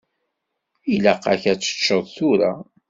Ilaq-ak ad teččeḍ tura.